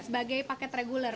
sebagai paket regular